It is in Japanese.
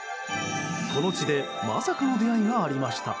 この地でまさかの出会いがありました。